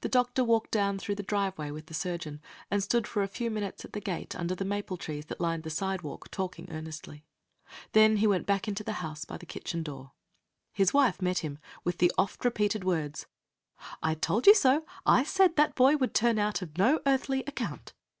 The doctor walked down the driveway with the surgeon, and stood for a few minutes at the gate under the maple trees that lined the sidewalk, talking earnestly. Then he went back into the house by the kitchen door. His wife met him, with the oft repeated words, "I told you so; I said that boy would turn out of no earthly account."